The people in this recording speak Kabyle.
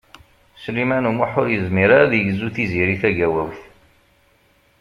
Sliman U Muḥ ur yezmir ara ad yegzu Tiziri Tagawawt.